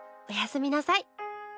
おやすみなさい。